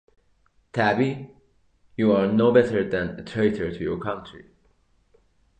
Tabby, you are no better than a traitor to your country.